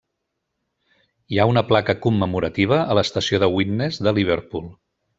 Hi ha una placa commemorativa a l'estació de Widnes de Liverpool.